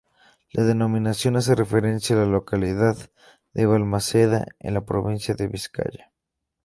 La denominación hace referencia a la localidad de Valmaseda, en la provincia de Vizcaya.